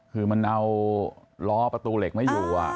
คือมันเอาล้อประตูเหล็กไม่อยู่